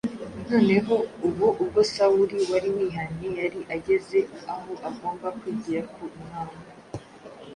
noneho ubu bwo Sawuli wari wihanye yari ageze aho agomba kwigira ku Imana